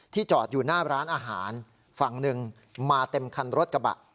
จอดอยู่หน้าร้านอาหารฝั่งหนึ่งมาเต็มคันรถกระบะ